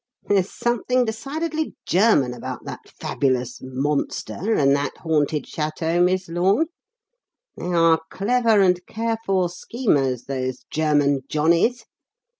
There's something decidedly German about that fabulous 'monster' and that haunted château, Miss Lorne. They are clever and careful schemers, those German Johnnies.